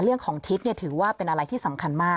เรื่องของทิศถือว่าเป็นอะไรที่สำคัญมาก